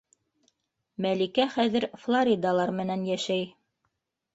Мәликә хәҙер Флоридалар менән йәшәй.